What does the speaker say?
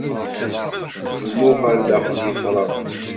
Lmux ar daxel yefreɣ.